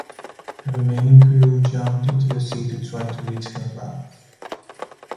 Her remaining crew jumped into the sea to try to reach her rafts.